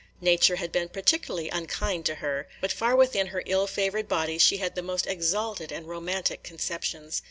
Nature had been peculiarly unkind to her; but far within her ill favored body she had the most exalted and romantic conceptions.